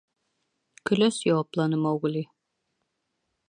— Көләс яуапланы Маугли.